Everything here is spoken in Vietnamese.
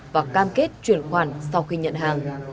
và cam kết chuyển khoản sau khi nhận hàng